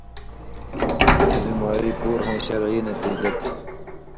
ذمہ واری پُوریۡ ہوں شرعی نتیجہ تھی۔